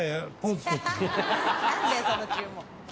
何だよその注文。